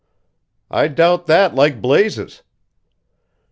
"I doubt that like blazes!"